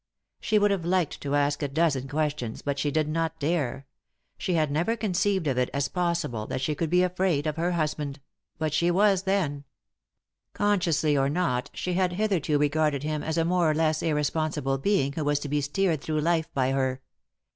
She would have liked to ask a dozen questions, but she did not dare. She had never conceived of it as possible that she could be afraid of her husband ; but she was then. Consciously or not, she had hitherto regarded him as a more or less irresponsible being who was to be steered through life by her.